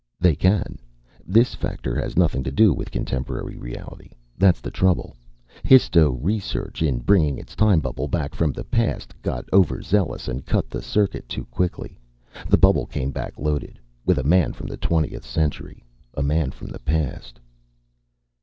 "They can. This factor has nothing to do with contemporary reality. That's the trouble. Histo research in bringing its time bubble back from the past got overzealous and cut the circuit too quickly. The bubble came back loaded with a man from the twentieth century. A man from the past."